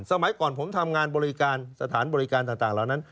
สมัยก่อนผมทำงานบริการสถานบริการต่างเหล่านั้น